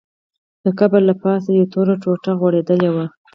د قبر له پاسه یوه توره ټوټه غوړېدلې وه.